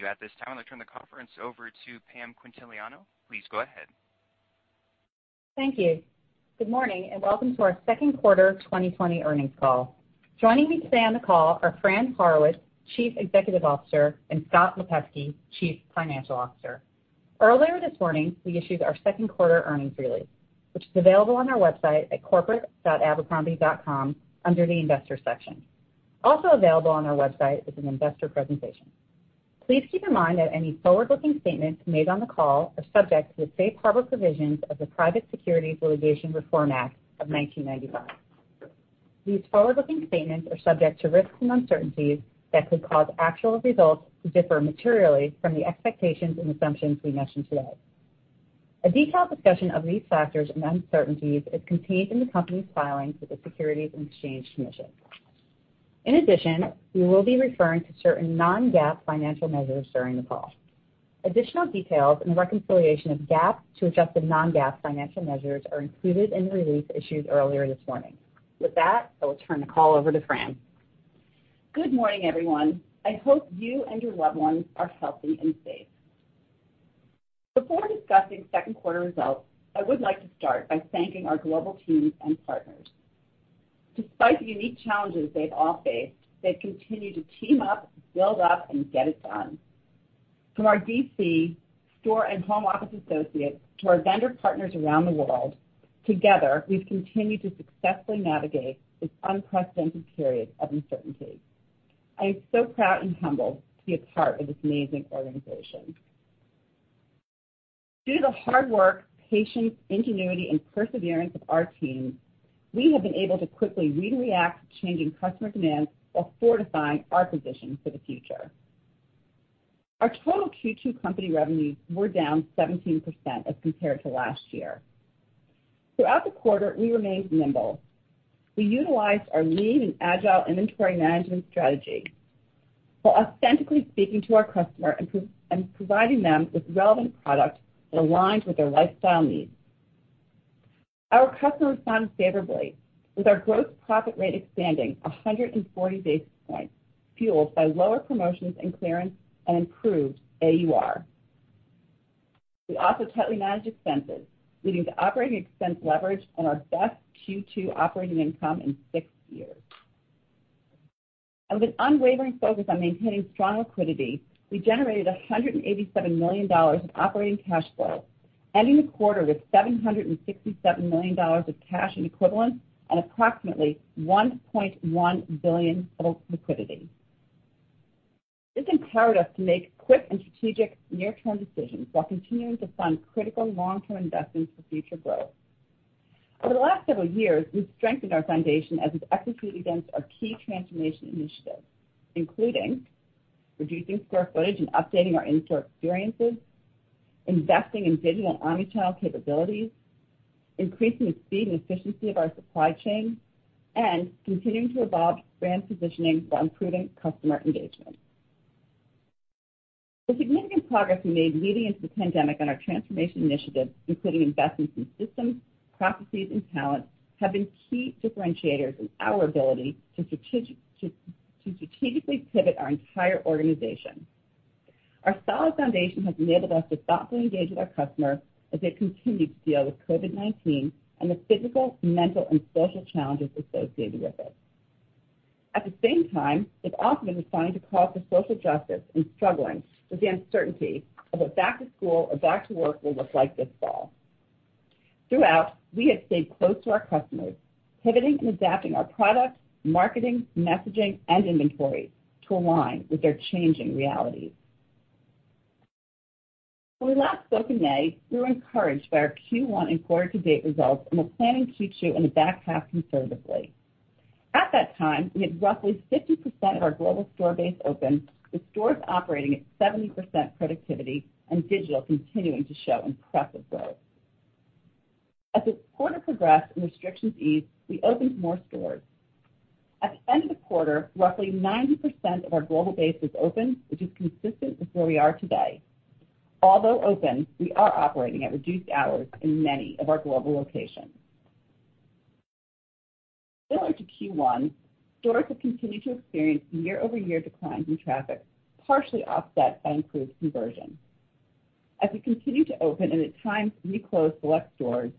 Thank you. At this time, I'll turn the conference over to Pam Quintiliano, please go ahead. Thank you. Good morning, welcome to our second quarter 2020 earnings call. Joining me today on the call are Fran Horowitz, Chief Executive Officer, and Scott Lipesky, Chief Financial Officer. Earlier this morning, we issued our second quarter earnings release, which is available on our website at corporate.abercrombie.com under the investor section. Also available on our website on investor presentation. Please keep in mind that any forward-looking statements made on the call are subject to the safe harbor provisions of the Private Securities Litigation Reform Act of 1995. These forward-looking statements are subject to risks and uncertainties that could cause actual results to differ materially from the expectations and assumptions we mention today. A detailed discussion of these factors and uncertainties is contained in the company's filings with the Securities and Exchange Commission. In addition, we will be referring to certain non-GAAP financial measures during the call. Additional details and the reconciliation of GAAP to adjusted non-GAAP financial measures are included in the release issued earlier this morning. With that, I will turn the call over to Fran. Good morning everyone? I hope you and your loved ones are healthy and safe. Before discussing second quarter results, I would like to start by thanking our global teams and partners. Despite the unique challenges they've all faced, they've continued to team up, build up, and get it done. From our DC, store, and home office associates to our vendor partners around the world, together, we've continued to successfully navigate this unprecedented period of uncertainty. I am so proud and humbled to be a part of this amazing organization. Through the hard work, patience, ingenuity, and perseverance of our teams, we have been able to quickly re-react to changing customer demands while fortifying our position for the future. Our total Q2 company revenues were down 17% as compared to last year. Throughout the quarter, we remained nimble. We utilized our lean and agile inventory management strategy while authentically speaking to our customer and providing them with relevant product that aligns with their lifestyle needs. Our customers responded favorably, with our gross profit rate expanding 140 basis points, fueled by lower promotions and clearance and improved AUR. We also tightly managed expenses, leading to operating expense leverage and our best Q2 operating income in six years. With an unwavering focus on maintaining strong liquidity, we generated $187 million in operating cash flow, ending the quarter with $767 million of cash and equivalents and approximately $1.1 billion total liquidity. This empowered us to make quick and strategic near-term decisions while continuing to fund critical long-term investments for future growth. Over the last several years, we've strengthened our foundation as we've executed on our key transformation initiatives, including reducing square footage and updating our in-store experiences, investing in digital omnichannel capabilities, increasing the speed and efficiency of our supply chain, and continuing to evolve brand positioning while improving customer engagement. The significant progress we made leading into the pandemic on our transformation initiatives, including investments in systems, processes, and talent, have been key differentiators in our ability to strategically pivot our entire organization. Our solid foundation has enabled us to thoughtfully engage with our customer as they continue to deal with COVID-19 and the physical, mental, and social challenges associated with it. At the same time, they've also been responding to calls for social justice and struggling with the uncertainty of what back to school or back to work will look like this fall. Throughout, we have stayed close to our customers, pivoting and adapting our product, marketing, messaging, and inventory to align with their changing realities. When we last spoke in May, we were encouraged by our Q1 and quarter to date results and were planning Q2 and the back half conservatively. At that time, we had roughly 50% of our global store base open, with stores operating at 70% productivity and digital continuing to show impressive growth. As the quarter progressed and restrictions eased, we opened more stores. At the end of the quarter, roughly 90% of our global base was open, which is consistent with where we are today. Although open, we are operating at reduced hours in many of our global locations. Similar to Q1, stores have continued to experience year-over-year declines in traffic, partially offset by improved conversion. As we continue to open and at times re-close select stores,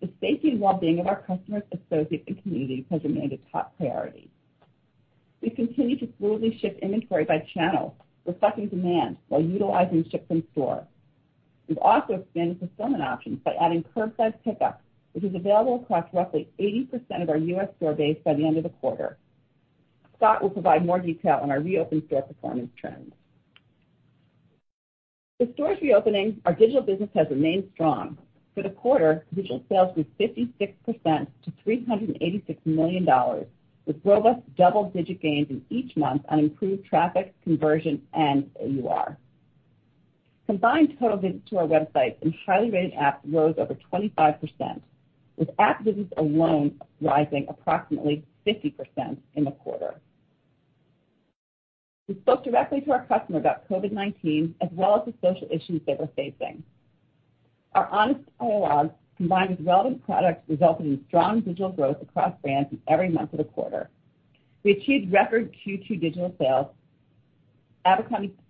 the safety and well-being of our customers, associates, and community has remained a top priority. We continue to fluidly shift inventory by channel, reflecting demand while utilizing ship from store. We've also expanded fulfillment options by adding curbside pickup, which was available across roughly 80% of our U.S. store base by the end of the quarter. Scott will provide more detail on our reopened store performance trends. With stores reopening, our digital business has remained strong. For the quarter, digital sales grew 56% to $386 million, with robust double-digit gains in each month on improved traffic, conversion, and AUR. Combined total visits to our website and highly rated app rose over 25%, with app visits alone rising approximately 50% in the quarter. We spoke directly to our customers about COVID-19 as well as the social issues they were facing. Our honest dialogue, combined with relevant products, resulted in strong digital growth across brands in every month of the quarter. We achieved record Q2 digital sales. Abercrombie adults,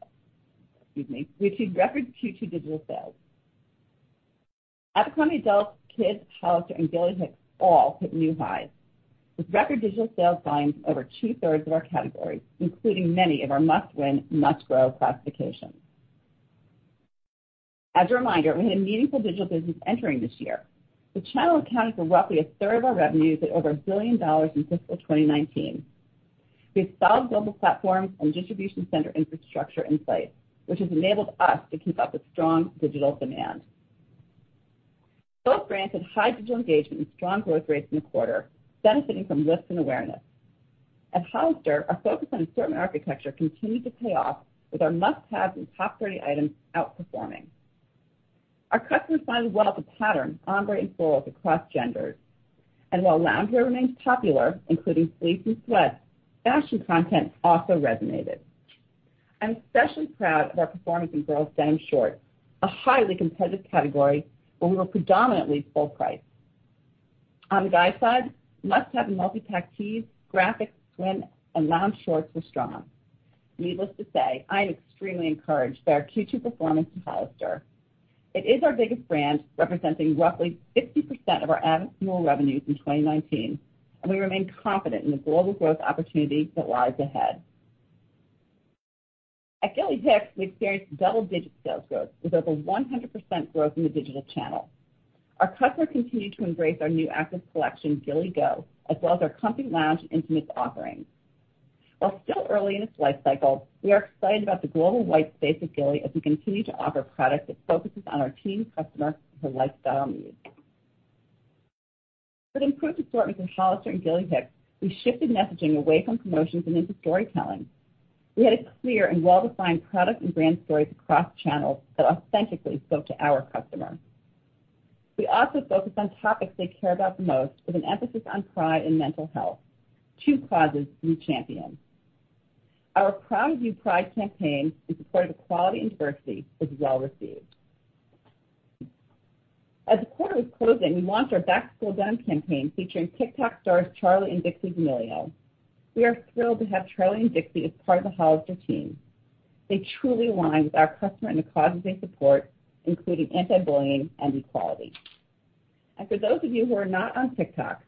Abercrombie kids, Hollister, and Gilly Hicks all hit new highs, with record digital sales growing from over 2/3 of our categories, including many of our must-win, must-grow classifications. As a reminder, we had a meaningful digital business entering this year. The channel accounted for roughly a 1/3 of our revenues at over $1 billion in fiscal 2019. We have solid global platforms and distribution center infrastructure in place, which has enabled us to keep up with strong digital demand. Both brands had high digital engagement and strong growth rates in the quarter, benefiting from lift and awareness. At Hollister, our focus on assortment architecture continued to pay off with our must-haves and top 30 items outperforming. Our customers find well the pattern, ombre and florals across genders. While lounge wear remains popular, including fleece and sweats, fashion content also resonated. I'm especially proud of our performance in girls denim short, a highly competitive category where we were predominantly full price. On the guy side, must-have multi-pack tees, graphics, swim, and lounge shorts were strong. Needless to say, I am extremely encouraged by our Q2 performance at Hollister. It is our biggest brand, representing roughly 50% of our annual revenues in 2019, and we remain confident in the global growth opportunity that lies ahead. At Gilly Hicks, we experienced double-digit sales growth with over 100% growth in the digital channel. Our customers continue to embrace our new active collection, Gilly Go, as well as our comfy lounge and intimates offerings. While still early in its life cycle, we are excited about the global white space at Gilly as we continue to offer product that focuses on our teen customer and her lifestyle needs. With improved assortments in Hollister and Gilly Hicks, we shifted messaging away from promotions and into storytelling. We had a clear and well-defined product and brand stories across channels that authentically spoke to our customer. We also focused on topics they care about the most with an emphasis on pride and mental health, two causes we champion. Our Proud of You Pride campaign in support of equality and diversity was well received. As the quarter was closing, we launched our Back to School Denim campaign featuring TikTok stars Charli and Dixie D'Amelio. We are thrilled to have Charli and Dixie as part of the Hollister team. They truly align with our customer and the causes they support, including anti-bullying and equality. For those of you who are not on TikTok,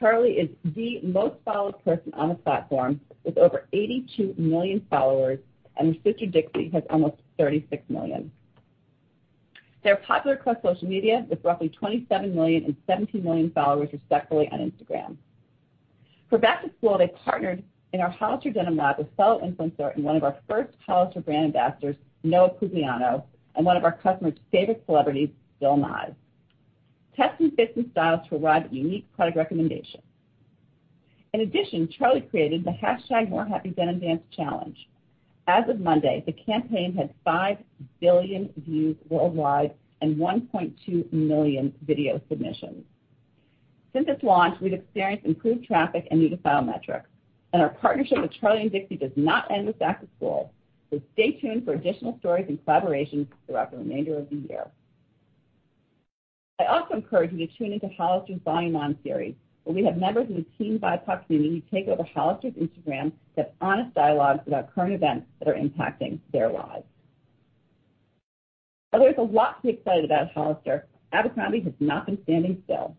Charli is the most followed person on the platform with over 82 million followers, and her sister, Dixie, has almost 36 million. They're popular across social media with roughly 27 million and 17 million followers, respectively, on Instagram. For back to school, they partnered in our Hollister denim lab with fellow influencer and one of our first Hollister brand ambassadors, Noah Pugliano, and one of our customer's favorite celebrities, Bill Nye. Tests and fits and styles to arrive at unique product recommendations. In addition, Charli created the #MoreHappyDenimDance challenge. As of Monday, the campaign had 5 billion views worldwide and 1.2 million video submissions. Since its launch, we've experienced improved traffic and new to file metrics, and our partnership with Charli and Dixie does not end with back to school, so stay tuned for additional stories and collaborations throughout the remainder of the year. I also encourage you to tune into Hollister's Volume ON series, where we have members of the team BIPOC community take over Hollister's Instagram with honest dialogues about current events that are impacting their lives. While there's a lot to be excited about at Hollister, Abercrombie has not been standing still.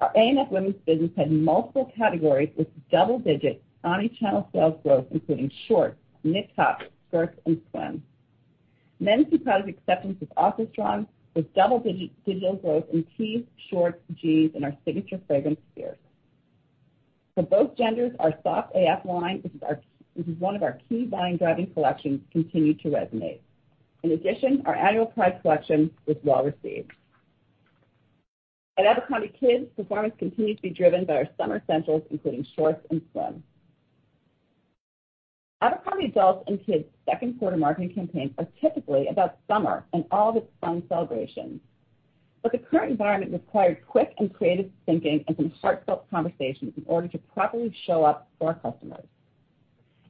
Our A&F women's business had multiple categories with double digits, omni-channel sales growth, including shorts, knit tops, skirts, and swim. Men's new product acceptance was also strong with double-digit digital growth in tees, shorts, jeans, and our signature fragrance, Fierce. For both genders, our Soft AF line, which is one of our key buying driving collections, continued to resonate. In addition, our annual Pride collection was well received. At Abercrombie kids, performance continued to be driven by our summer essentials, including shorts and swim. Abercrombie adults and kids' second quarter marketing campaigns are typically about summer and all of its fun celebrations, but the current environment required quick and creative thinking and some heartfelt conversations in order to properly show up for our customers.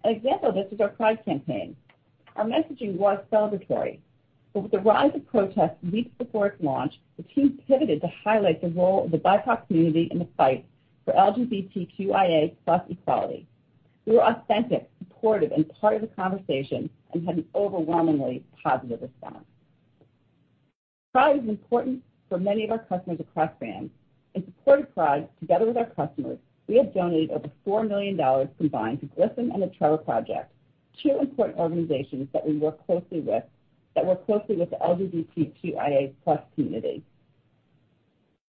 An example of this is our Pride campaign. Our messaging was celebratory, with the rise of protests weeks before its launch, the team pivoted to highlight the role of the BIPOC community in the fight for LGBTQIA+ equality. We were authentic, supportive, and part of the conversation and had an overwhelmingly positive response. Pride is important for many of our customers across brands. In support of Pride, together with our customers, we have donated over $4 million combined to GLSEN and The Trevor Project, two important organizations that work closely with the LGBTQIA+ community.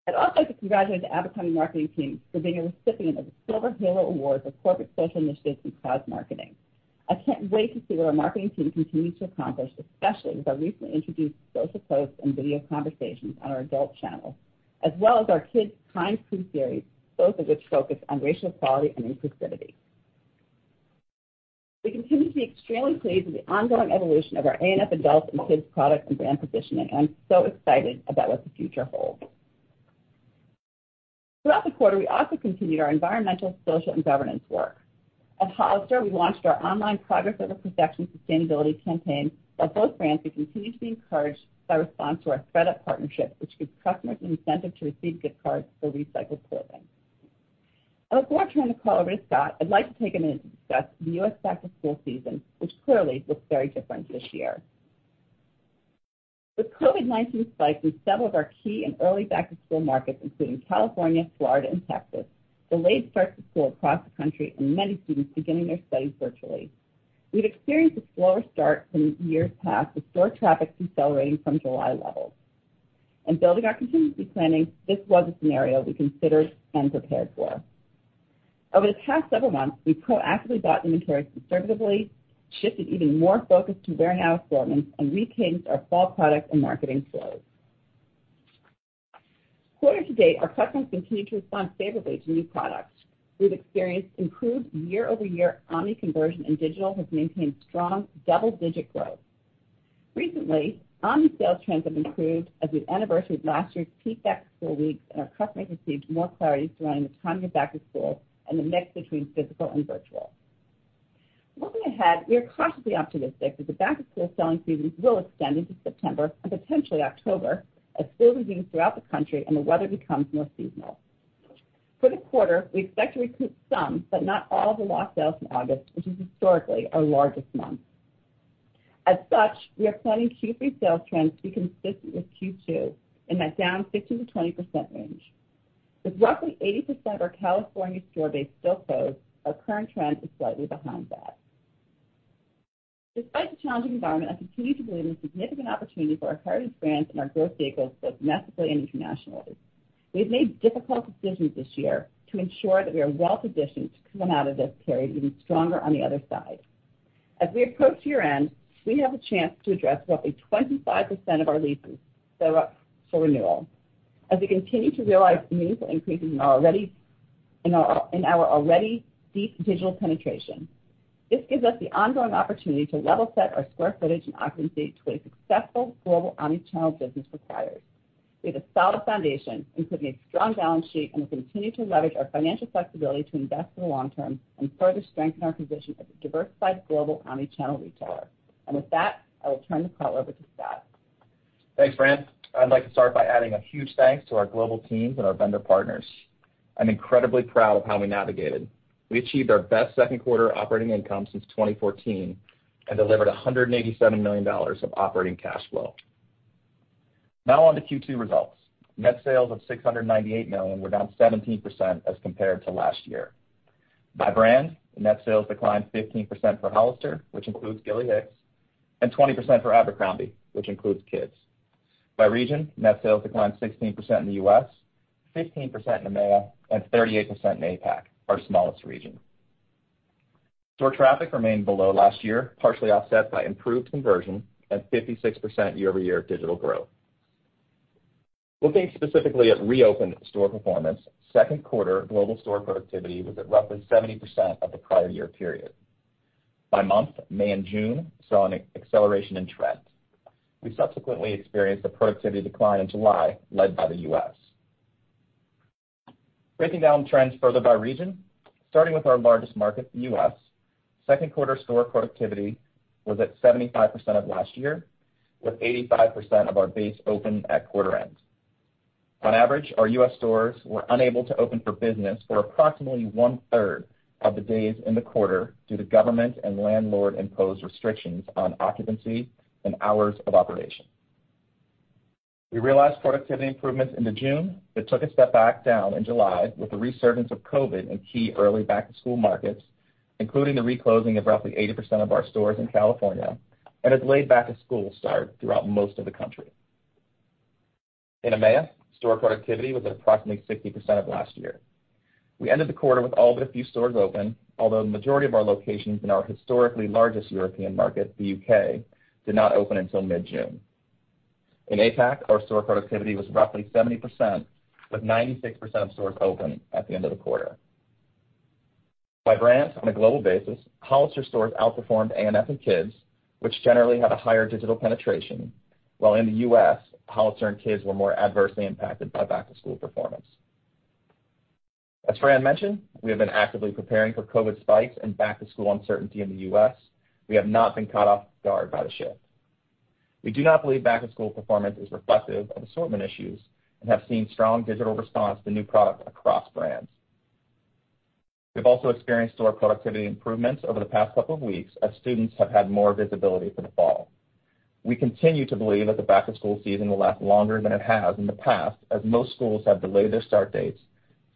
I'd also like to congratulate the Abercrombie marketing team for being a recipient of the Silver Halo Awards for corporate social initiatives in cause marketing. I can't wait to see what our marketing team continues to accomplish, especially with our recently introduced social posts and video conversations on our adult channel, as well as our kids' Kind Crew series, both of which focus on racial equality and inclusivity. We continue to be extremely pleased with the ongoing evolution of our A&F adults and kids product and brand positioning, and I'm so excited about what the future holds. Throughout the quarter, we also continued our environmental, social, and governance work. At Hollister, we launched our online Progress Over Perfection sustainability campaign. At both brands, we continue to be encouraged by response to our thredUP partnership, which gives customers an incentive to receive gift cards for recycled clothing. Before I turn the call over to Scott, I'd like to take a minute to discuss the U.S. back-to-school season, which clearly looks very different this year. With COVID-19 spikes in several of our key and early back-to-school markets, including California, Florida, and Texas, delayed starts to school across the country, and many students beginning their studies virtually, we've experienced a slower start from years past with store traffic decelerating from July levels. In building our contingency planning, this was a scenario we considered and prepared for. Over the past several months, we've proactively bought inventory conservatively, shifted even more focus to wearing-now assortments, and retuned our fall product and marketing flows. Quarter-to-date, our customers continue to respond favorably to new products. We've experienced improved year-over-year omni conversion, and digital has maintained strong double-digit growth. Recently, omni sales trends have improved as we've anniversaried last year's peak back-to-school weeks and our customers received more clarity surrounding the timing of back to school and the mix between physical and virtual. Looking ahead, we are cautiously optimistic that the back-to-school selling seasons will extend into September and potentially October as schools resume throughout the country and the weather becomes more seasonal. For the quarter, we expect to recoup some but not all of the lost sales in August, which is historically our largest month. As such, we are planning Q3 sales trends to be consistent with Q2 in that down 16%-20% range. With roughly 80% of our California store base still closed, our current trend is slightly behind that. Despite the challenging environment, I continue to believe in significant opportunity for our current brands and our growth vehicles, both domestically and internationally. We've made difficult decisions this year to ensure that we are well-positioned to come out of this period even stronger on the other side. As we approach year-end, we have a chance to address roughly 25% of our leases that are up for renewal, as we continue to realize meaningful increases in our already deep digital penetration. This gives us the ongoing opportunity to level set our square footage and occupancy to what a successful global omni-channel business requires. We have a solid foundation, including a strong balance sheet, and will continue to leverage our financial flexibility to invest for the long term and further strengthen our position as a diversified global omni-channel retailer. With that, I will turn the call over to Scott. Thanks, Fran. I'd like to start by adding a huge thanks to our global teams and our vendor partners. I'm incredibly proud of how we navigated. We achieved our best second quarter operating income since 2014 and delivered $187 million of operating cash flow. On to Q2 results. Net sales of $698 million were down 17% as compared to last year. By brand, net sales declined 15% for Hollister, which includes Gilly Hicks, and 20% for Abercrombie, which includes Kids. By region, net sales declined 16% in the U.S., 15% in EMEA, and 38% in APAC, our smallest region. Store traffic remained below last year, partially offset by improved conversion and 56% year-over-year digital growth. Looking specifically at reopened store performance, second quarter global store productivity was at roughly 70% of the prior year period. By month, May and June saw an acceleration in trend. We subsequently experienced a productivity decline in July, led by the U.S. Breaking down trends further by region, starting with our largest market, the U.S., second quarter store productivity was at 75% of last year, with 85% of our base open at quarter-end. On average, our U.S. stores were unable to open for business for approximately 1/3 of the days in the quarter due to government and landlord-imposed restrictions on occupancy and hours of operation. We realized productivity improvements into June, but took a step back down in July with the resurgence of COVID-19 in key early back-to-school markets, including the reclosing of roughly 80% of our stores in California and a delayed back-to-school start throughout most of the country. In EMEA, store productivity was at approximately 60% of last year. We ended the quarter with all but a few stores open, although the majority of our locations in our historically largest European market, the U.K., did not open until mid-June. In APAC, our store productivity was roughly 70%, with 96% of stores open at the end of the quarter. By brand, on a global basis, Hollister stores outperformed A&F and Abercrombie kids, which generally have a higher digital penetration. While in the U.S., Hollister and Abercrombie kids were more adversely impacted by back-to-school performance. As Fran mentioned, we have been actively preparing for COVID-19 spikes and back-to-school uncertainty in the U.S. We have not been caught off guard by the shift. We do not believe back-to-school performance is reflective of assortment issues and have seen strong digital response to new product across brands. We've also experienced store productivity improvements over the past couple of weeks as students have had more visibility for the fall. We continue to believe that the back-to-school season will last longer than it has in the past, as most schools have delayed their start dates,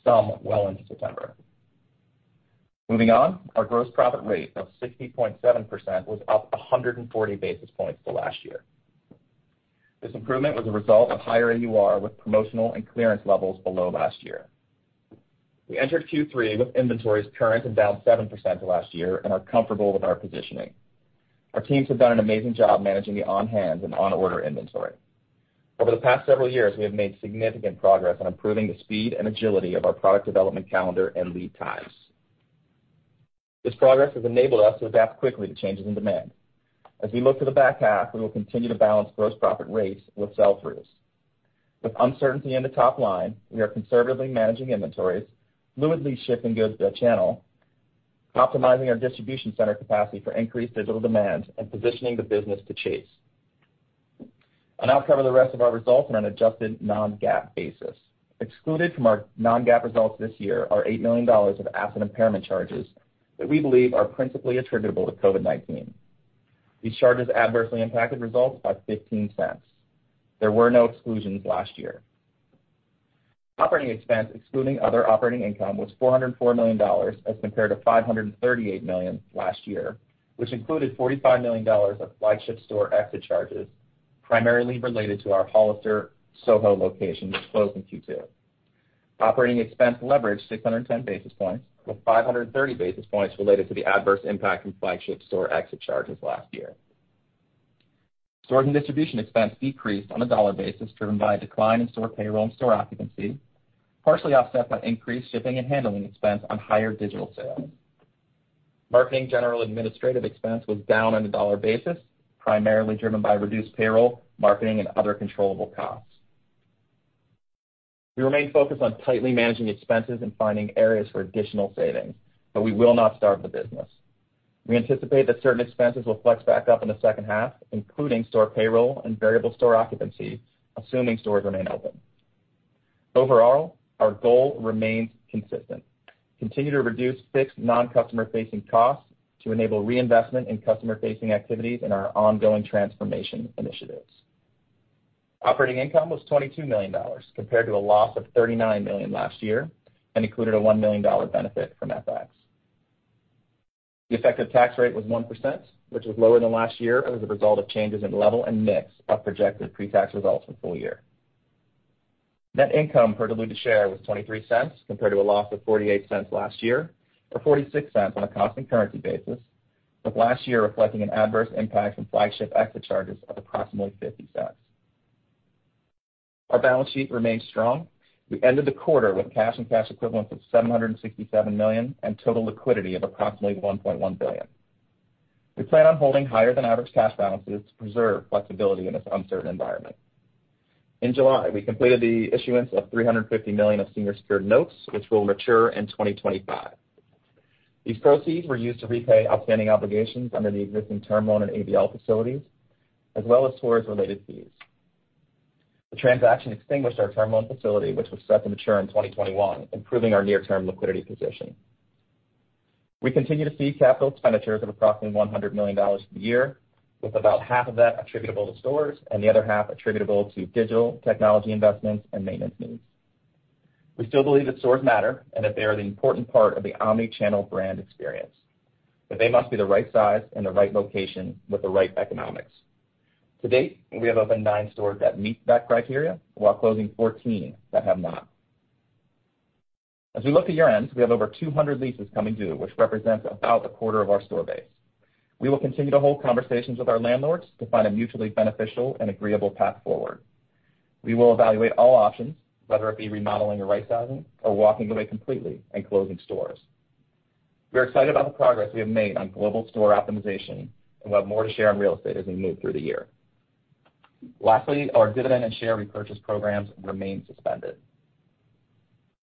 some well into September. Moving on, our gross profit rate of 60.7% was up 140 basis points to last year. This improvement was a result of higher AUR with promotional and clearance levels below last year. We entered Q3 with inventories current and down 7% to last year and are comfortable with our positioning. Our teams have done an amazing job managing the on-hand and on-order inventory. Over the past several years, we have made significant progress on improving the speed and agility of our product development calendar and lead times. This progress has enabled us to adapt quickly to changes in demand. As we look to the back half, we will continue to balance gross profit rates with sell-throughs. With uncertainty in the top line, we are conservatively managing inventories, fluidly shipping goods to that channel, optimizing our distribution center capacity for increased digital demand, and positioning the business to chase. I'll now cover the rest of our results on an adjusted non-GAAP basis. Excluded from our non-GAAP results this year are $8 million of asset impairment charges that we believe are principally attributable to COVID-19. These charges adversely impacted results by $0.15. There were no exclusions last year. Operating expense, excluding other operating income, was $404 million as compared to $538 million last year, which included $45 million of flagship store exit charges, primarily related to our Hollister Soho location, which closed in Q2. Operating expense leverage 610 basis points, with 530 basis points related to the adverse impact from flagship store exit charges last year. Store and distribution expense decreased on a dollar basis, driven by a decline in store payroll and store occupancy, partially offset by increased shipping and handling expense on higher digital sales. Marketing, general administrative expense was down on a dollar basis, primarily driven by reduced payroll, marketing, and other controllable costs. We remain focused on tightly managing expenses and finding areas for additional savings, but we will not starve the business. We anticipate that certain expenses will flex back up in the second half, including store payroll and variable store occupancy, assuming stores remain open. Overall, our goal remains consistent: continue to reduce fixed non-customer-facing costs to enable reinvestment in customer-facing activities in our ongoing transformation initiatives. Operating income was $22 million compared to a loss of $39 million last year and included a $1 million benefit from FX. The effective tax rate was 1%, which was lower than last year as a result of changes in level and mix of projected pre-tax results for full year. Net income per diluted share was $0.23 compared to a loss of $0.48 last year, or $0.46 on a constant currency basis, with last year reflecting an adverse impact from flagship exit charges of approximately $0.50. Our balance sheet remains strong. We ended the quarter with cash and cash equivalents of $767 million and total liquidity of approximately $1.1 billion. We plan on holding higher than average cash balances to preserve flexibility in this uncertain environment. In July, we completed the issuance of $350 million of senior secured notes, which will mature in 2025. These proceeds were used to repay outstanding obligations under the existing term loan and ABL facilities, as well as towards related fees. The transaction extinguished our term loan facility, which was set to mature in 2021, improving our near-term liquidity position. We continue to see capital expenditures of approximately $100 million for the year, with about 1/2 Of that attributable to stores and the other 1/2 attributable to digital technology investments and maintenance needs. We still believe that stores matter and that they are an important part of the omni-channel brand experience, but they must be the right size and the right location with the right economics. To date, we have opened nine stores that meet that criteria while closing 14 that have not. As we look at year end, we have over 200 leases coming due, which represents about a quarter of our store base. We will continue to hold conversations with our landlords to find a mutually beneficial and agreeable path forward. We will evaluate all options, whether it be remodeling or rightsizing or walking away completely and closing stores. We're excited about the progress we have made on global store optimization and we'll have more to share on real estate as we move through the year. Our dividend and share repurchase programs remain suspended.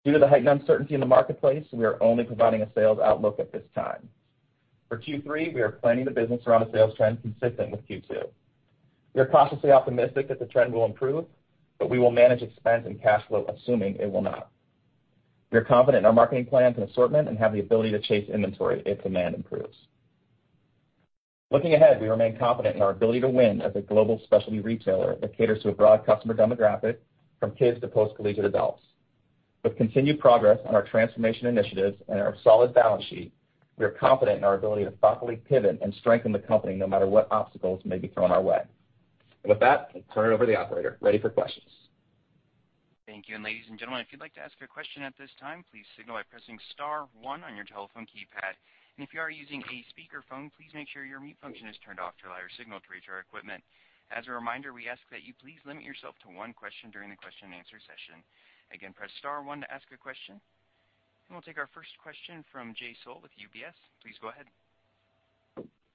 Due to the heightened uncertainty in the marketplace, we are only providing a sales outlook at this time. For Q3, we are planning the business around a sales trend consistent with Q2. We are cautiously optimistic that the trend will improve. We will manage expense and cash flow assuming it will not. We are confident in our marketing plans and assortment and have the ability to chase inventory if demand improves. Looking ahead, we remain confident in our ability to win as a global specialty retailer that caters to a broad customer demographic from kids to post-collegiate adults. With continued progress on our transformation initiatives and our solid balance sheet, we are confident in our ability to thoughtfully pivot and strengthen the company no matter what obstacles may be thrown our way. With that, I'll turn it over to the Operator. Ready for questions. Thank you. Ladies and gentlemen, if you'd like to ask a question at this time, please signal by pressing star one on your telephone keypad. If you are using a speakerphone, please make sure your mute function is turned off to allow your signal to reach our equipment. As a reminder, we ask that you please limit yourself to one question during the question-and-answer session. Again, press star one to ask a question. We'll take our first question from Jay Sole with UBS, please go ahead.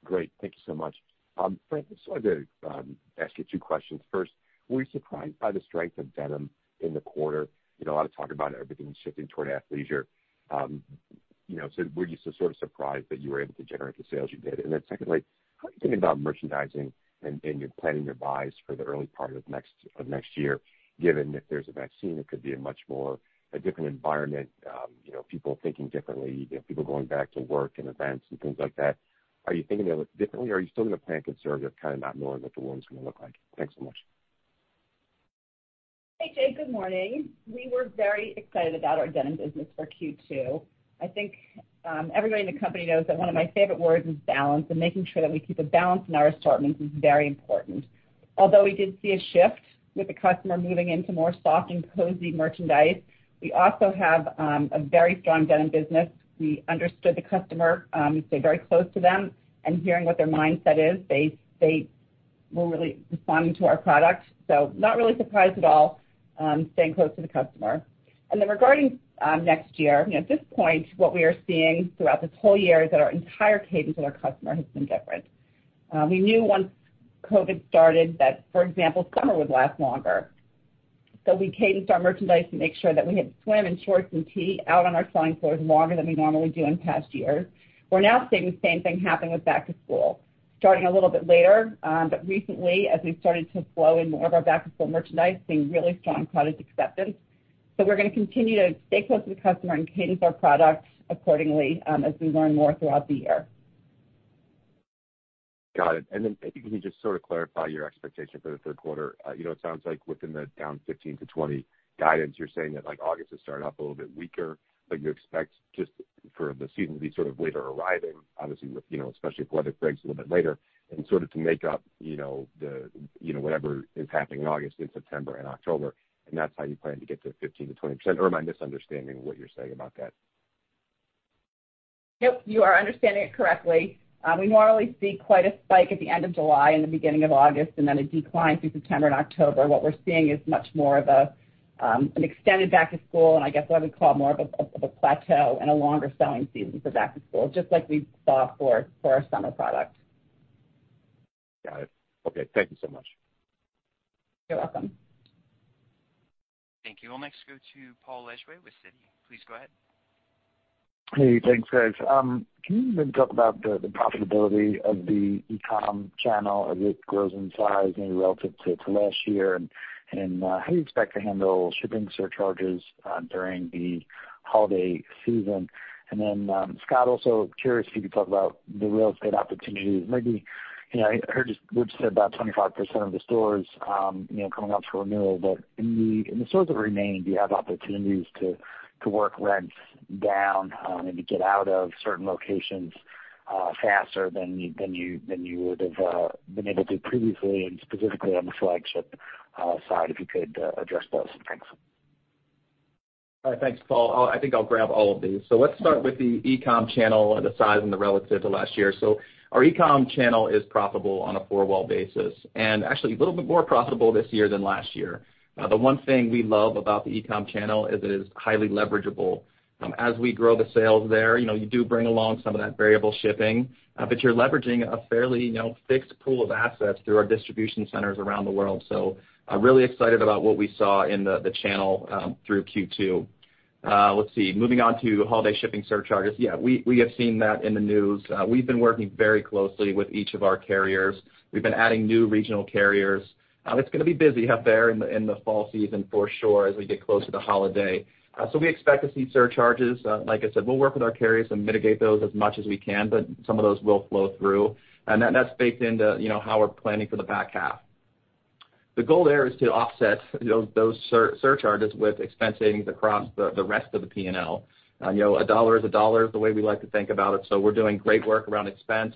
Great. Thank you so much. Fran, just wanted to ask you two questions. Were you surprised by the strength of denim in the quarter? A lot of talk about everything shifting toward athleisure. Were you sort of surprised that you were able to generate the sales you did? Secondly, how are you thinking about merchandising and you're planning your buys for the early part of next year, given if there's a vaccine, it could be a much more different environment, people thinking differently, people going back to work and events and things like that. Are you thinking differently or are you still going to plan conservative, kind of not knowing what the world is going to look like? Thanks so much. Hey, Jay. Good morning? We were very excited about our denim business for Q2. I think everybody in the company knows that one of my favorite words is balance, and making sure that we keep a balance in our assortments is very important. Although we did see a shift with the customer moving into more soft and cozy merchandise, we also have a very strong denim business. We understood the customer, stayed very close to them, and hearing what their mindset is. We're really responding to our product. Not really surprised at all, staying close to the customer. Regarding next year, at this point, what we are seeing throughout this whole year is that our entire cadence with our customer has been different. We knew once COVID started that, for example, summer would last longer. We cadenced our merchandise to make sure that we had swim and shorts and tee out on our selling floors longer than we normally do in past years. We're now seeing the same thing happening with back to school, starting a little bit later, but recently, as we've started to flow in more of our back to school merchandise, seeing really strong product acceptance. We're going to continue to stay close to the customer and cadence our products accordingly as we learn more throughout the year. Got it. If you can just sort of clarify your expectation for the third quarter? It sounds like within the down 15%-20% guidance, you're saying that August has started off a little bit weaker, but you expect just for the season to be sort of later arriving, obviously, especially if weather breaks a little bit later and sort of to make up whatever is happening in August, in September and October, and that's how you plan to get to 15%-20%, or am I misunderstanding what you're saying about that? Nope, you are understanding it correctly. We normally see quite a spike at the end of July and the beginning of August, then a decline through September and October. What we're seeing is much more of an extended back to school, I guess what I would call more of a plateau and a longer selling season for back to school, just like we saw for our summer product. Got it. Okay. Thank you so much. You're welcome. Thank you. We'll next go to Paul Lejuez with Citi, please go ahead. Hey, thanks, guys. Can you maybe talk about the profitability of the e-com channel as it grows in size, maybe relative to last year, and how do you expect to handle shipping surcharges during the holiday season? Scott, also curious if you could talk about the real estate opportunities. Maybe, I heard you said about 25% of the stores coming up for renewal, in the stores that remain, do you have opportunities to work rents down, maybe get out of certain locations faster than you would've been able to previously, and specifically on the flagship side, if you could address those? Thanks. Thanks, Paul. I think I'll grab all of these. Let's start with the e-com channel, the size and the relative to last year. Our e-com channel is profitable on a four-wall basis, and actually a little bit more profitable this year than last year. The one thing we love about the e-com channel is it is highly leverageable. As we grow the sales there, you do bring along some of that variable shipping, but you're leveraging a fairly fixed pool of assets through our distribution centers around the world. Really excited about what we saw in the channel through Q2. Let's see. Moving on to holiday shipping surcharges. Yeah, we have seen that in the news. We've been working very closely with each of our carriers. We've been adding new regional carriers. It's going to be busy out there in the fall season for sure as we get closer to holiday. We expect to see surcharges. Like I said, we'll work with our carriers and mitigate those as much as we can, but some of those will flow through, and that's baked into how we're planning for the back half. The goal there is to offset those surcharges with expense savings across the rest of the P&L. A dollar is a dollar is the way we like to think about it. We're doing great work around expense.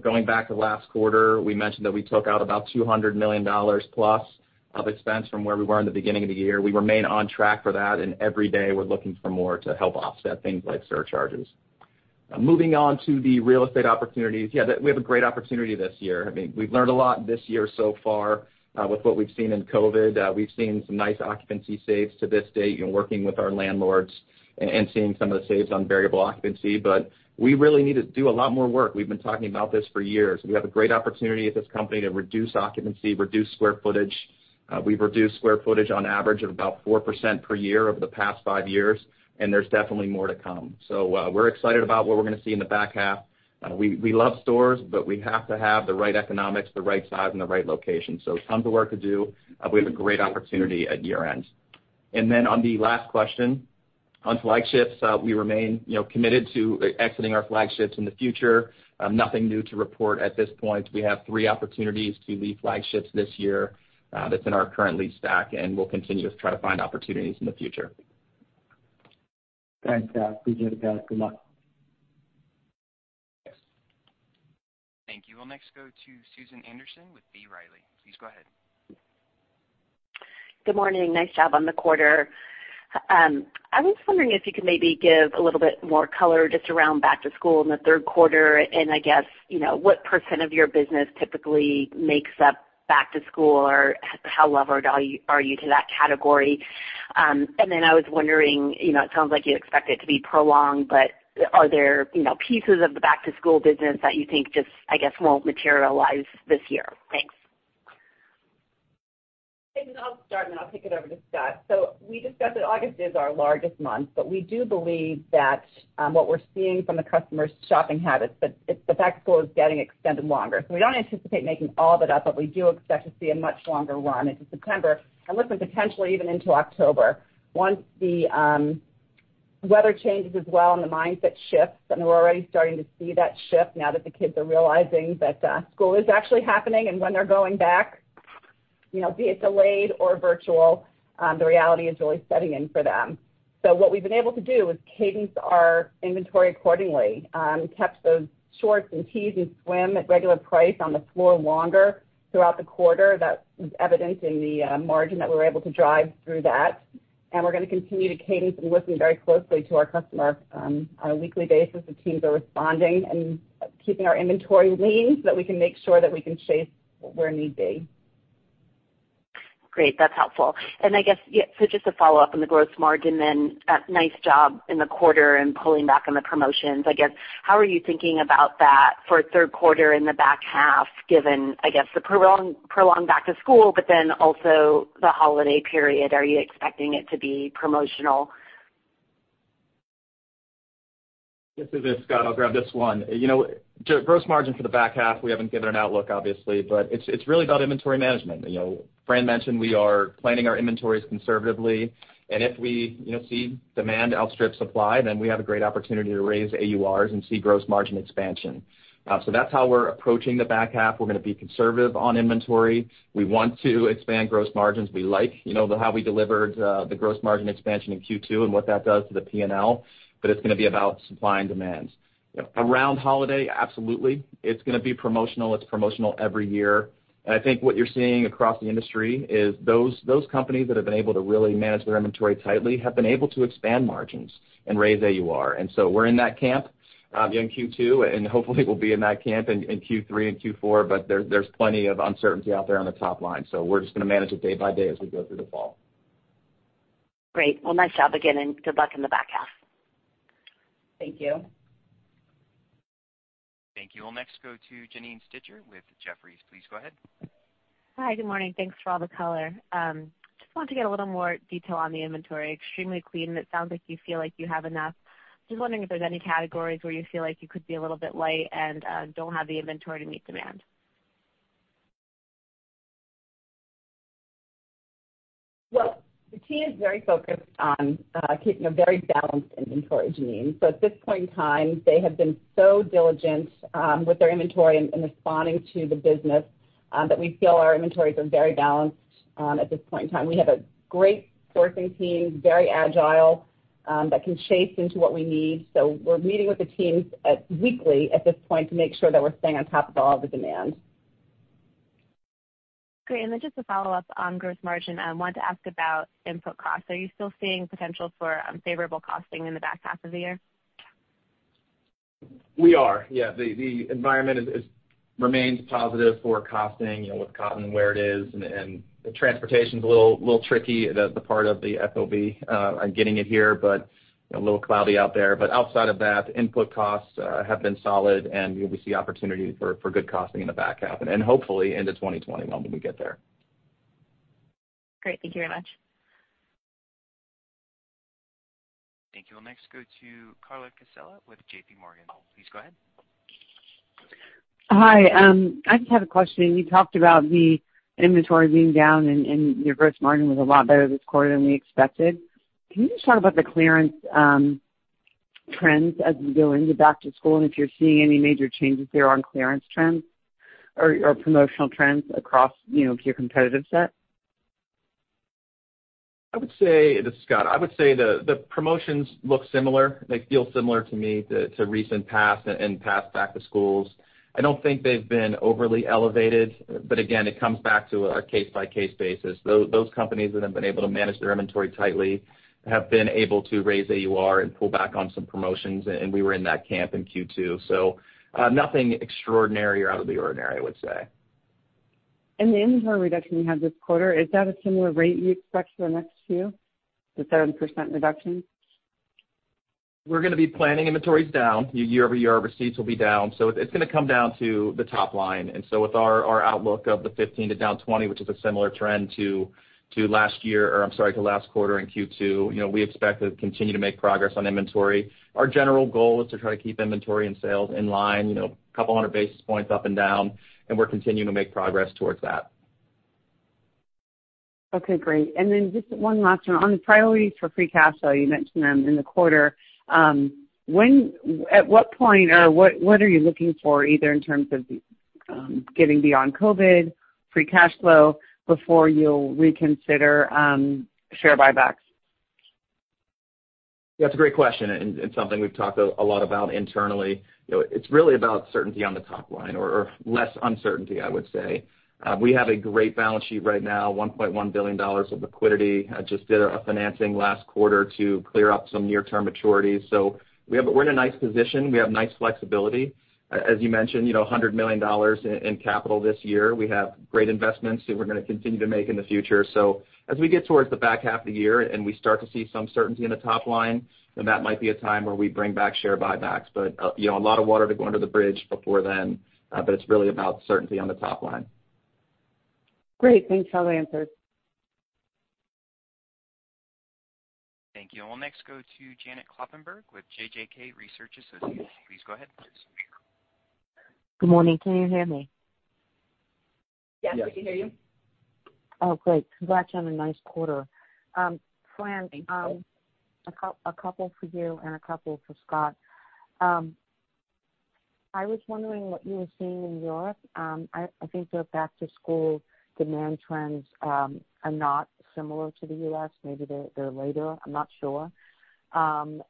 Going back to last quarter, we mentioned that we took out about $200 million plus of expense from where we were in the beginning of the year. We remain on track for that, and every day we're looking for more to help offset things like surcharges. Moving on to the real estate opportunities. Yeah, we have a great opportunity this year. We've learned a lot this year so far with what we've seen in COVID-19. We've seen some nice occupancy saves to this date, working with our landlords and seeing some of the saves on variable occupancy, but we really need to do a lot more work. We've been talking about this for years. We have a great opportunity at this company to reduce occupancy, reduce square footage. We've reduced square footage on average of about 4% per year over the past five years, and there's definitely more to come. We're excited about what we're going to see in the back half. We love stores, but we have to have the right economics, the right size, and the right location. Tons of work to do, but we have a great opportunity at year end. On the last question, on flagships, we remain committed to exiting our flagships in the future. Nothing new to report at this point. We have three opportunities to leave flagships this year that's in our current lease stack, and we'll continue to try to find opportunities in the future. Thanks, Scott. Appreciate it, guys. Good luck. Thanks. Thank you. We'll next go to Susan Anderson with B. Riley, please go ahead. Good morning. Nice job on the quarter. I was wondering if you could maybe give a little bit more color just around back to school in the third quarter, and I guess what percentage of your business typically makes up back to school, or how levered are you to that category? I was wondering, it sounds like you expect it to be prolonged, but are there pieces of the back to school business that you think just, I guess, won't materialize this year? Thanks. Susan, I'll start and then I'll kick it over to Scott. We discussed that August is our largest month, but we do believe that what we're seeing from the customer's shopping habits, that the back to school is getting extended longer. We don't anticipate making all of it up, but we do expect to see a much longer run into September, and listen, potentially even into October. Once the weather changes as well and the mindset shifts, and we're already starting to see that shift now that the kids are realizing that school is actually happening and when they're going back, be it delayed or virtual, the reality is really setting in for them. What we've been able to do is cadence our inventory accordingly. We kept those shorts and tees and swim at regular price on the floor longer throughout the quarter. That was evident in the margin that we were able to drive through that. We're going to continue to cadence and listen very closely to our customer on a weekly basis. The teams are responding and keeping our inventory lean so that we can make sure that we can chase where need be. Great. That's helpful. I guess, yeah, so just a follow-up on the gross margin then. Nice job in the quarter and pulling back on the promotions. I guess, how are you thinking about that for third quarter in the back half, given, I guess, the prolonged back to school, also the holiday period? Are you expecting it to be promotional? This is Scott. I'll grab this one. Gross margin for the back half, we haven't given an outlook, obviously, but it's really about inventory management. Fran mentioned we are planning our inventories conservatively, and if we see demand outstrip supply, then we have a great opportunity to raise AURs and see gross margin expansion. That's how we're approaching the back half. We're going to be conservative on inventory. We want to expand gross margins. We like how we delivered the gross margin expansion in Q2 and what that does to the P&L, but it's going to be about supply and demand. Around holiday, absolutely, it's going to be promotional. It's promotional every year. I think what you're seeing across the industry is those companies that have been able to really manage their inventory tightly have been able to expand margins and raise AUR. We're in that camp in Q2, and hopefully we'll be in that camp in Q3 and Q4, but there's plenty of uncertainty out there on the top line. We're just going to manage it day by day as we go through the fall. Great. Well, nice job again, and good luck in the back half. Thank you. Thank you. We'll next go to Janine Stichter with Jefferies, please go ahead. Hi, good morning? Thanks for all the color. Just wanted to get a little more detail on the inventory. Extremely clean, it sounds like you feel like you have enough. Just wondering if there's any categories where you feel like you could be a little bit light and don't have the inventory to meet demand? The team is very focused on keeping a very balanced inventory, Janine. At this point in time, they have been so diligent with their inventory and responding to the business that we feel our inventories are very balanced at this point in time. We have a great sourcing team, very agile, that can chase into what we need. We're meeting with the teams weekly at this point to make sure that we're staying on top of all the demand. Great. Just a follow-up on gross margin. I wanted to ask about input costs. Are you still seeing potential for favorable costing in the back half of the year? We are. The environment remains positive for costing, with cotton where it is, and the transportation's a little tricky, the part of the FOB on getting it here, but a little cloudy out there. Outside of that, input costs have been solid, and we see opportunity for good costing in the back half and hopefully into 2021 when we get there. Great. Thank you very much. Thank you. We'll next go to Carla Casella with JPMorgan, please go ahead. Hi? I just have a question. You talked about the inventory being down and your gross margin was a lot better this quarter than we expected. Can you just talk about the clearance trends as we go into back to school and if you're seeing any major changes there on clearance trends or promotional trends across your competitive set? This is Scott. I would say the promotions look similar. They feel similar to me to recent past and past back to schools. I don't think they've been overly elevated, but again, it comes back to our case-by-case basis. Those companies that have been able to manage their inventory tightly have been able to raise AUR and pull back on some promotions, and we were in that camp in Q2, so nothing extraordinary or out of the ordinary, I would say. The inventory reduction you have this quarter, is that a similar rate you expect for the next few, the 7% reduction? We're going to be planning inventories down. Year-over-year, receipts will be down. It's going to come down to the top line. With our outlook of the 15% to down 20%, which is a similar trend to last quarter in Q2, we expect to continue to make progress on inventory. Our general goal is to try to keep inventory and sales in line, a couple hundred basis points up and down, and we're continuing to make progress towards that. Okay, great. Just one last one. On the priorities for free cash flow, you mentioned them in the quarter. At what point, or what are you looking for either in terms of getting beyond COVID, free cash flow, before you'll reconsider share buybacks? That's a great question. It's something we've talked a lot about internally. It's really about certainty on the top line or less uncertainty, I would say. We have a great balance sheet right now, $1.1 billion of liquidity. Just did a financing last quarter to clear up some near-term maturities. We're in a nice position. We have nice flexibility. As you mentioned, $100 million in capital this year. We have great investments that we're going to continue to make in the future. As we get towards the back half of the year and we start to see some certainty in the top line, that might be a time where we bring back share buybacks. A lot of water to go under the bridge before then. It's really about certainty on the top line. Great. Thanks for all the answers. Thank you. We'll next go to Janet Kloppenburg with JJK Research Associates, please go ahead. Good morning, can you hear me? Yes, we can hear you. Oh, great. Congrats on a nice quarter. Thank you. Fran, a couple for you and a couple for Scott. I was wondering what you were seeing in Europe. I think the back to school demand trends are not similar to the U.S. Maybe they're later. I'm not sure. On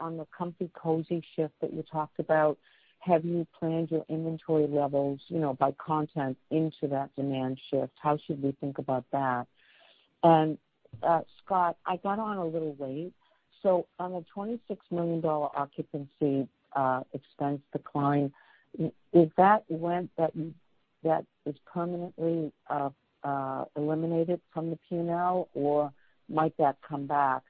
the comfy cozy shift that you talked about, have you planned your inventory levels by content into that demand shift? How should we think about that? Scott, I got on a little late. On the $26 million occupancy expense decline, is that rent that is permanently eliminated from the P&L, or might that come back?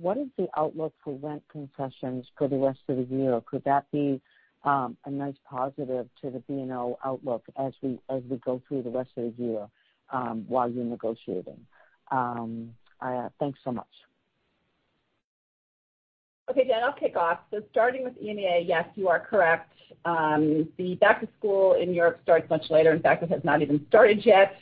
What is the outlook for rent concessions for the rest of the year? Could that be a nice positive to the P&L outlook as we go through the rest of the year while you're negotiating? Thanks so much. Okay, Janet, I'll kick off. Starting with EMEA, yes, you are correct. The back to school in Europe starts much later. In fact, it has not even started yet.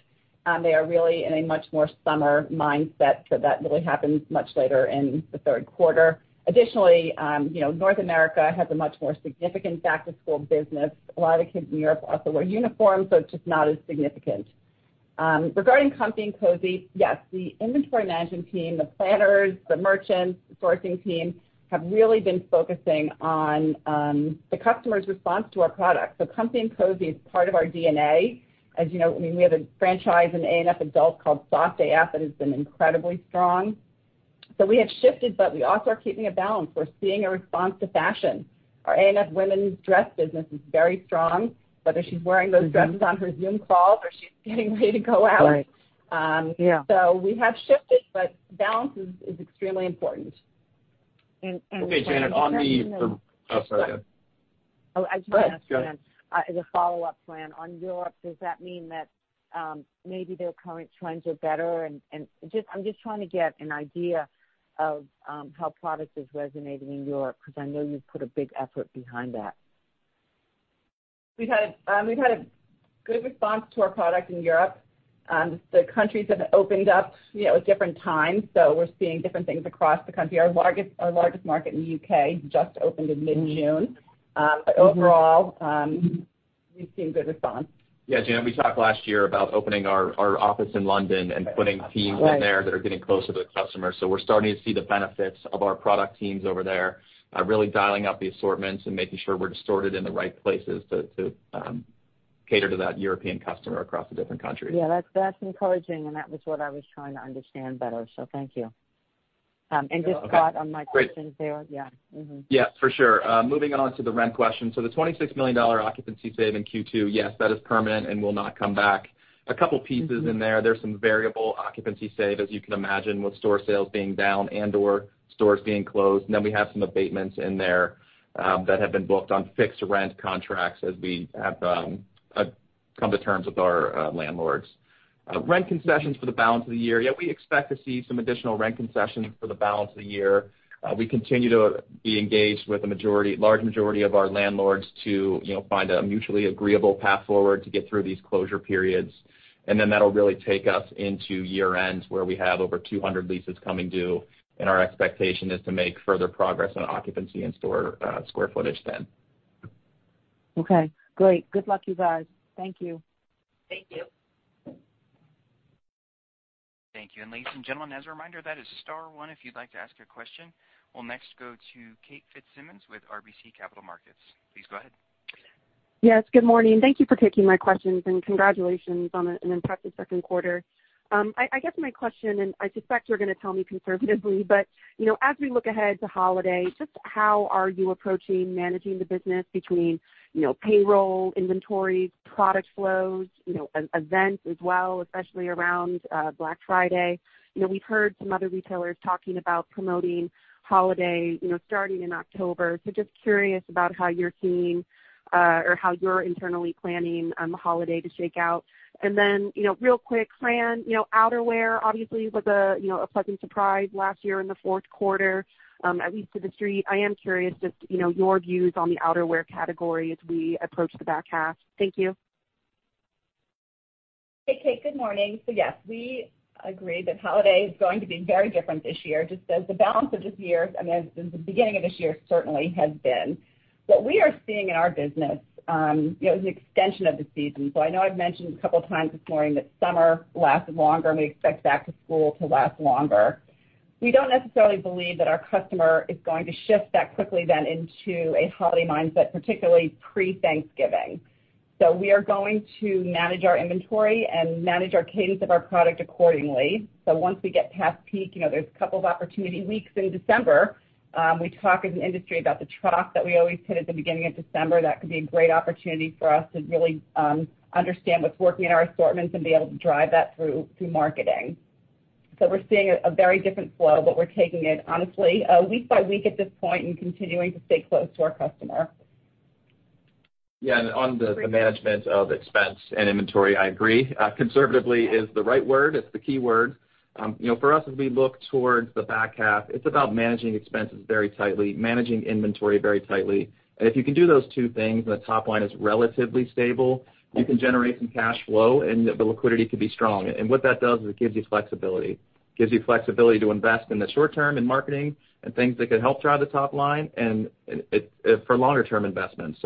They are really in a much more summer mindset, so that really happens much later in the third quarter. Additionally, North America has a much more significant back-to-school business. A lot of kids in Europe also wear uniforms, so it's just not as significant. Regarding comfy and cozy, yes, the inventory management team, the planners, the merchants, the sourcing team, have really been focusing on the customer's response to our products. Comfy and cozy is part of our DNA. As you know, we have a franchise in A&F adult called Soft AF that has been incredibly strong. We have shifted, but we also are keeping a balance. We're seeing a response to fashion. Our A&F women's dress business is very strong, whether she's wearing those dresses on her Zoom calls or she's getting ready to go out. Right. Yeah. We have shifted, but balance is extremely important. Okay, Janet, oh, sorry, go ahead. I just want to ask, Fran, as a follow-up, Fran. On Europe, does that mean that maybe their current trends are better? I am just trying to get an idea of how product is resonating in Europe, because I know you have put a big effort behind that. We've had a good response to our product in Europe. The countries have opened up at different times. We're seeing different things across the country. Our largest market in the U.K. just opened in mid-June. Overall, we've seen good response. Yeah, Janet, we talked last year about opening our office in London and putting teams in there that are getting closer to the customer. We're starting to see the benefits of our product teams over there, really dialing up the assortments and making sure we're distorted in the right places to cater to that European customer across the different countries. Yeah, that's encouraging, and that was what I was trying to understand better. Thank you. Just Scott, on my questions there. Yeah, for sure. Moving on to the rent question. The $26 million occupancy save in Q2, yes, that is permanent and will not come back. A couple pieces in there. There's some variable occupancy save, as you can imagine, with store sales being down and/or stores being closed. Then we have some abatements in there that have been booked on fixed rent contracts as we have come to terms with our landlords. Rent concessions for the balance of the year. Yeah, we expect to see some additional rent concessions for the balance of the year. We continue to be engaged with a large majority of our landlords to find a mutually agreeable path forward to get through these closure periods. That'll really take us into year-end, where we have over 200 leases coming due, and our expectation is to make further progress on occupancy and store square footage then. Okay, great. Good luck, you guys. Thank you. Thank you. Thank you. Ladies and gentlemen, as a reminder, that is star one if you'd like to ask a question. We'll next go to Kate Fitzsimons with RBC Capital Markets, please go ahead. Yes, good morning? Thank you for taking my questions, and congratulations on an impressive second quarter. I guess my question, and I suspect you're going to tell me conservatively, but as we look ahead to holiday, just how are you approaching managing the business between payroll, inventories, product flows, events as well, especially around Black Friday? We've heard some other retailers talking about promoting holiday starting in October. Just curious about how you're internally planning holiday to shake out. Then, real quick, Fran, outerwear obviously was a pleasant surprise last year in the fourth quarter, at least to the street. I am curious just your views on the outerwear category as we approach the back half. Thank you. Hey, Kate, good morning. Yes, we agree that holiday is going to be very different this year, just as the beginning of this year certainly has been. What we are seeing in our business is an extension of the season. I know I've mentioned a couple times this morning that summer lasted longer, and we expect back to school to last longer. We don't necessarily believe that our customer is going to shift that quickly then into a holiday mindset, particularly pre-Thanksgiving. We are going to manage our inventory and manage our cadence of our product accordingly. Once we get past peak, there's a couple of opportunity weeks in December. We talk as an industry about the trough that we always hit at the beginning of December. That could be a great opportunity for us to really understand what's working in our assortments and be able to drive that through marketing. We're seeing a very different flow, but we're taking it honestly week by week at this point and continuing to stay close to our customer. Yeah, on the management of expense and inventory, I agree. Conservatively is the right word. It's the key word. For us, as we look towards the back half, it's about managing expenses very tightly, managing inventory very tightly. If you can do those two things and the top line is relatively stable, you can generate some cash flow and the liquidity could be strong. What that does is it gives you flexibility. Gives you flexibility to invest in the short term in marketing and things that could help drive the top line and for longer term investments.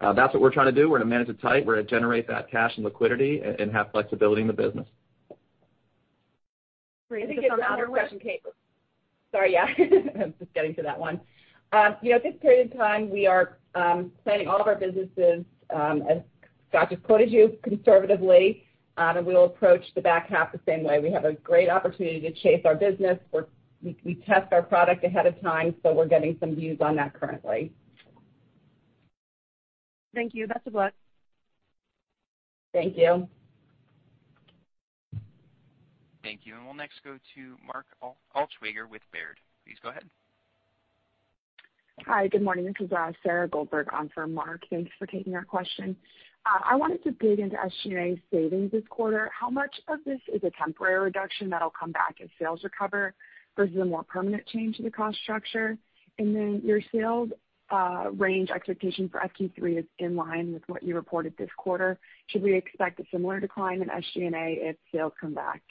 That's what we're trying to do. We're going to manage it tight. We're going to generate that cash and liquidity and have flexibility in the business. Sorry, yeah. I was just getting to that one. At this period in time, we are planning all of our businesses, as Scott just quoted you, conservatively. We'll approach the back half the same way. We have a great opportunity to chase our business. We test our product ahead of time. We're getting some views on that currently. Thank you. Best of luck. Thank you. Thank you. We'll next go to Mark Altschwager with Baird, please go ahead. Hi. Good morning? This is Sarah Goldberg on for Mark. Thanks for taking our question. I wanted to dig into SG&A savings this quarter. How much of this is a temporary reduction that'll come back as sales recover, versus a more permanent change to the cost structure? Your sales range expectation for FQ3 is in line with what you reported this quarter. Should we expect a similar decline in SG&A if sales come back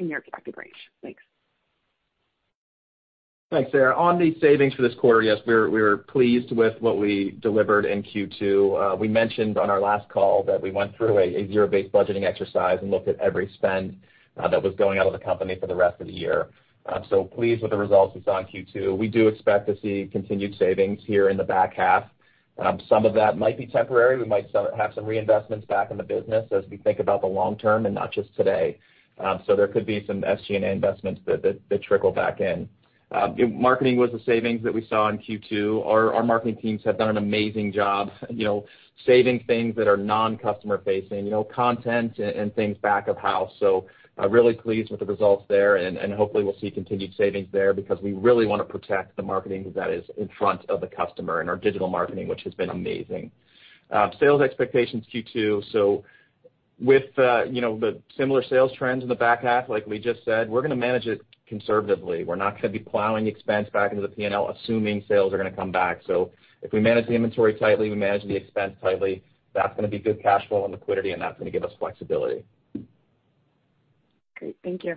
in your expected range? Thanks. Thanks, Sarah. On the savings for this quarter, yes, we were pleased with what we delivered in Q2. We mentioned on our last call that we went through a zero-based budgeting exercise and looked at every spend that was going out of the company for the rest of the year. Pleased with the results we saw in Q2. We do expect to see continued savings here in the back half. Some of that might be temporary. We might have some reinvestments back in the business as we think about the long term and not just today. There could be some SG&A investments that trickle back in. Marketing was a savings that we saw in Q2. Our marketing teams have done an amazing job saving things that are non-customer facing, content and things back of house. Really pleased with the results there, and hopefully we'll see continued savings there because we really want to protect the marketing that is in front of the customer and our digital marketing, which has been amazing. Sales expectations, Q2. With the similar sales trends in the back half like we just said, we're gonna manage it conservatively. We're not gonna be plowing expense back into the P&L assuming sales are gonna come back. If we manage the inventory tightly, we manage the expense tightly, that's gonna be good cash flow and liquidity, and that's gonna give us flexibility. Great. Thank you.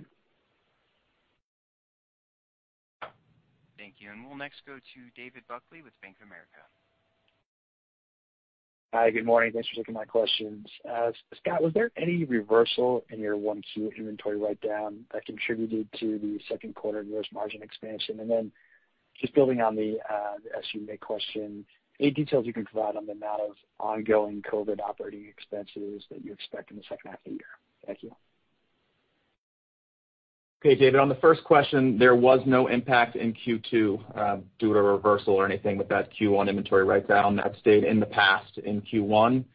Thank you. We'll next go to David Buckley with Bank of America. Hi. Good morning? Thanks for taking my questions. Scott, was there any reversal in your 1Q inventory write-down that contributed to the second quarter gross margin expansion? Just building on the SG&A question, any details you can provide on the amount of ongoing COVID operating expenses that you expect in the second half of the year? Thank you. Okay, David. On the first question, there was no impact in Q2 due to a reversal or anything with that Q1 inventory write-down. That stayed in the past in Q1. On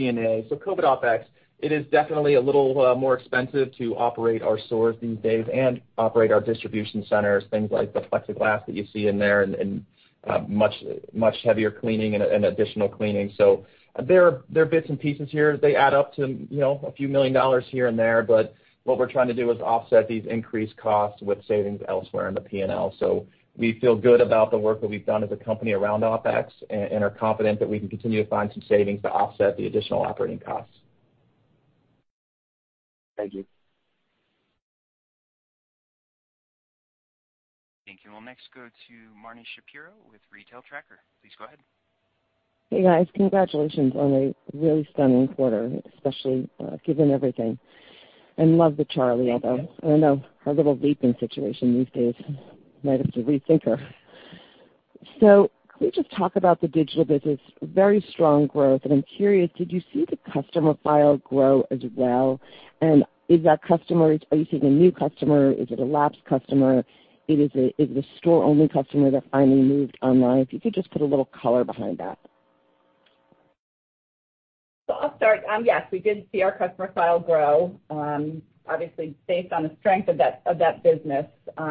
SG&A, COVID OpEx, it is definitely a little more expensive to operate our stores these days and operate our distribution centers, things like the plexiglass that you see in there and much heavier cleaning and additional cleaning. There are bits and pieces here. They add up to a few million dollars here and there, what we're trying to do is offset these increased costs with savings elsewhere in the P&L. We feel good about the work that we've done as a company around OpEx and are confident that we can continue to find some savings to offset the additional operating costs. Thank you. Thank you. We'll next go to Marni Shapiro with Retail Tracker, please go ahead. Hey guys? Congratulations on a really stunning quarter, especially given everything, and love the Charli album. I know a little vaping situation these days. Might have to rethink her. Can we just talk about the digital business? Very strong growth, and I'm curious, did you see the customer file grow as well? Are you seeing a new customer? Is it a lapsed customer? Is it a store-only customer that finally moved online? If you could just put a little color behind that. I'll start. Yes, we did see our customer file grow. Obviously, based on the strength of that business,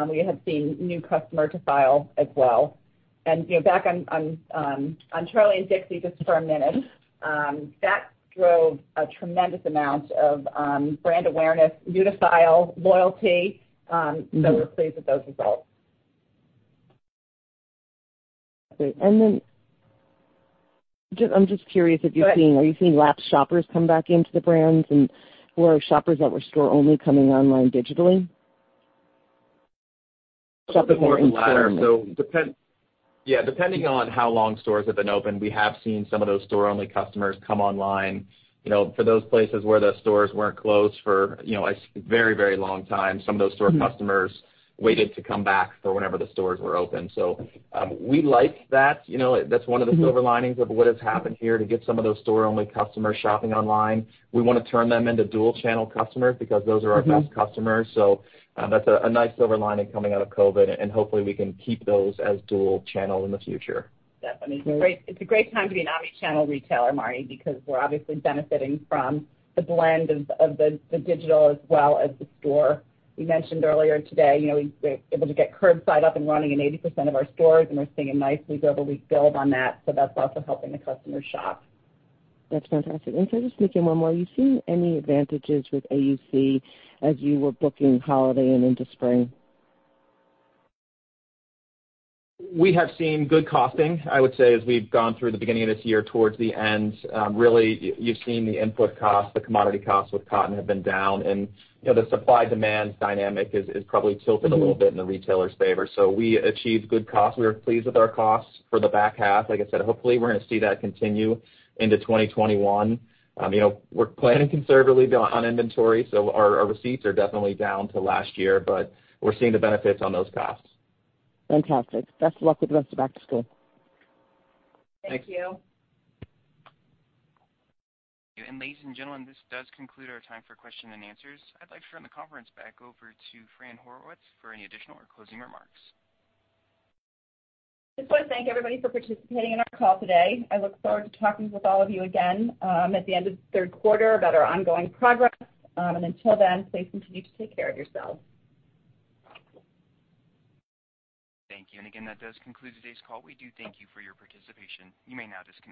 we have seen new customer to file as well. Back on Charli and Dixie just for a minute, that drove a tremendous amount of brand awareness, new to file loyalty. We're pleased with those results. Great. I'm just curious if you're seeing. Go ahead. Are you seeing lapsed shoppers come back into the brands, and were shoppers that were store only coming online digitally? Yeah, depending on how long stores have been open, we have seen some of those store-only customers come online. For those places where the stores weren't closed for a very long time, some of those store customers waited to come back for whenever the stores were open. We like that. That's one of the silver linings of what has happened here, to get some of those store-only customers shopping online. We wanna turn them into dual channel customers because those are our best customers. That's a nice silver lining coming out of COVID, and hopefully we can keep those as dual channel in the future. Definitely. It's a great time to be an omnichannel retailer, Marni, because we're obviously benefiting from the blend of the digital as well as the store. We mentioned earlier today, we were able to get curbside up and running in 80% of our stores, and we're seeing a nice week-over-week build on that's also helping the customer shop. That's fantastic. Can I just sneak in one more? Are you seeing any advantages with AUC as you were booking holiday and into spring? We have seen good costing, I would say, as we've gone through the beginning of this year towards the end. Really, you've seen the input cost, the commodity cost with cotton have been down, and the supply-demand dynamic is probably tilted a little bit in the retailer's favor. We achieved good costs. We are pleased with our costs for the back half. Like I said, hopefully we're gonna see that continue into 2021. We're planning conservatively on inventory, so our receipts are definitely down to last year, but we're seeing the benefits on those costs. Fantastic. Best of luck with the rest of back to school. Thank you. Thank you. Ladies and gentlemen, this does conclude our time for question and answers. I'd like to turn the conference back over to Fran Horowitz for any additional or closing remarks. Just wanna thank everybody for participating in our call today. I look forward to talking with all of you again at the end of the third quarter about our ongoing progress. Until then, please continue to take care of yourselves. Thank you. Again, that does conclude today's call. We do thank you for your participation, you may now disconnect.